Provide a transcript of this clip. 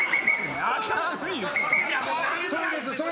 それです！